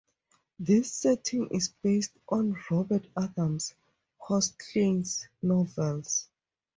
This setting is based on Robert Adams' "Horseclans" novels.